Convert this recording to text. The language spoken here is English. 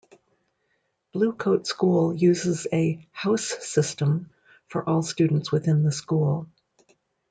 Blue Coat School uses a "house system"; for all students within the school.